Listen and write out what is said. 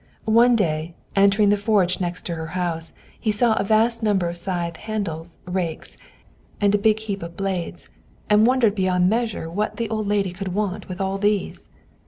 One day, entering the forge next to her house, he saw a vast number of scythe handles and rakes, and a big heap of blades, and wondered beyond measure what the old lady could want with all these.